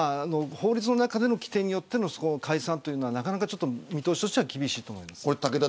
法律の中での規定によっての解散はなかなか見通しとしては厳しいと思います。